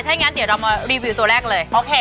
ถ้างั้นเดี๋ยวเรามารีวิวตัวแรกเลย